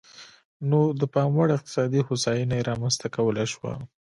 نو د پاموړ اقتصادي هوساینه یې رامنځته کولای شوه.